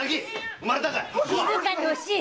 産まれたかい⁉